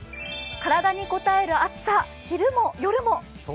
体にこたえる暑さ、昼も夜も。